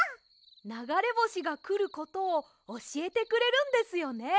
ながれぼしがくることをおしえてくれるんですよね。